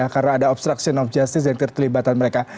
karena ada obstruction of justice yang terlibat mereka